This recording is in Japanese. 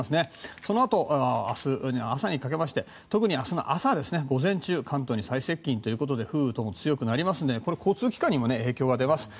そのあと、明日朝にかけて特に朝、関東に最接近ということで風雨も強まりますので交通機関にも影響が出ます。